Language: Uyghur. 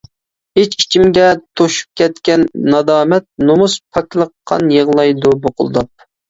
ئىچ-ئىچىمگە توشۇپ كەتكەن نادامەت، نومۇس، پاكلىق قان يىغلايدۇ بۇقۇلداپ.